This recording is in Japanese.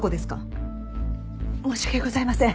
申し訳ございません！